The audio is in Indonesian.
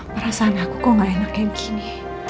perasaan aku kok gak enak kayak gini